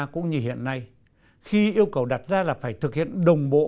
cũng như hiện nay khi yêu cầu đặt ra là phải thực hiện đồng bộ